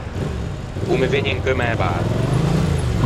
O me vëgne in cheu mæ barba.